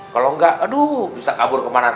kalau enggak aduh bisa kabur kemana